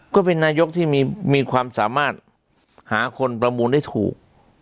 ก็เป็นนายกที่มีความสามารถหาคนประมูลได้ถูก